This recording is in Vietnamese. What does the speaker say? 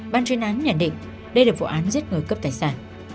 ban chuyên án nhận định đây là vụ án giết người cấp tài sản